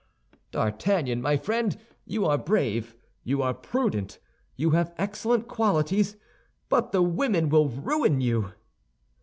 D'Artagnan, my friend, you are brave, you are prudent, you have excellent qualities; but the women will ruin you!"